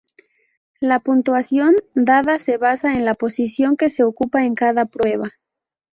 La puntuación dada se basa en la posición que se ocupa en cada prueba.